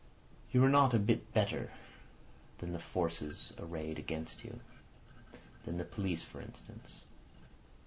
"You are not a bit better than the forces arrayed against you—than the police, for instance.